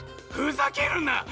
ふざけるな！